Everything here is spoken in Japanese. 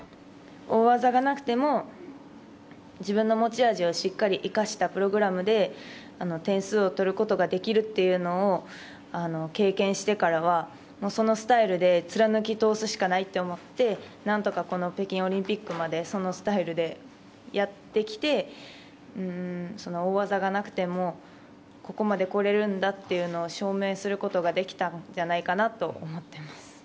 大技がなくても自分の持ち味をしっかりといかしたプログラムで点数を取ることができるというのを経験してからはそのスタイルで貫き通すしかないと思って何とか北京オリンピックまでそのスタイルでやってきて大技がなくてもここまでこれるんだというのを証明することができたんじゃないかと思います。